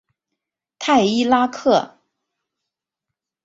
泰伊拉克。